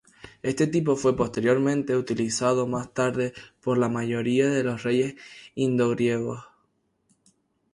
Este tipo fue posteriormente utilizado más tarde por la mayoría de los reyes indo-griegos.